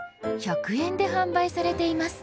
１００円で販売されています。